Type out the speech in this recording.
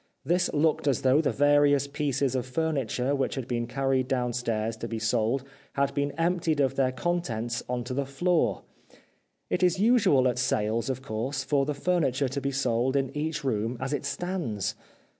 This looked as though the various pieces of furniture which had been carried downstairs to be sold had been emptied of their contents on to the 359 The Life of Oscar Wilde floor. It is usual at sales, of course, for the furniture to be sold in each room as it stands.